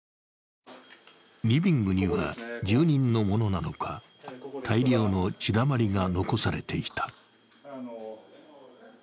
リビングには、住人のものなのか、大量の血だまりが残されていた。